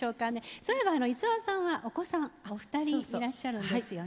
そういえば五輪さんはお子さんお二人いらっしゃるんですよね。